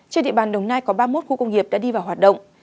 trên địa bàn đồng nai có ba mươi một khu công nghiệp đã đi vào hoạt động